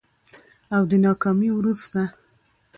او د ناکامي وروسته